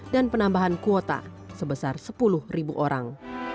dan penambahan kuota sebesar sepuluh ribu orang